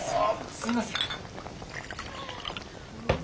すいません。